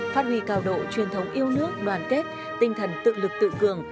phát huy cao độ truyền thống yêu nước đoàn kết tinh thần tự lực tự cường